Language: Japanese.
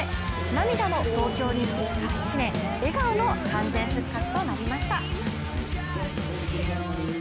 涙の東京オリンピックから１年笑顔の完全復活となりました。